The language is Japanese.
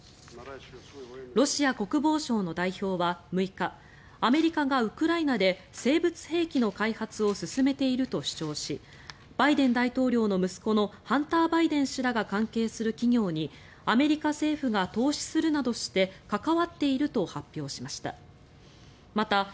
ロシア国防省の代表は６日アメリカがウクライナで生物兵器の開発を進めていると主張しバイデン大統領の息子のハンター・バイデン氏らが関係する企業にアメリカ政府が投資するなどして関わっていると発表しました。